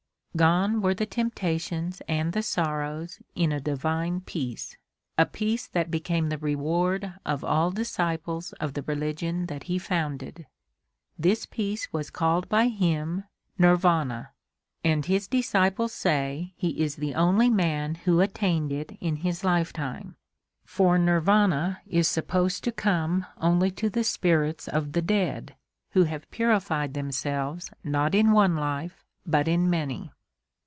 Gone were the temptations and the sorrows in a divine peace a peace that became the reward of all disciples of the religion that he founded. This peace was called by him Nirvana and his disciples say he is the only man who attained it in his lifetime, for Nirvana is supposed to come only to the spirits of the dead, who have purified themselves not in one life, but in many.